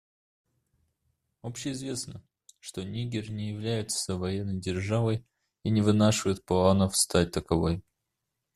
Общеизвестно, что Нигер не является военной державой и не вынашивает планов стать таковой.